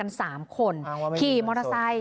อ้างว่าไม่มีเงินสดขี่มอเตอร์ไซค์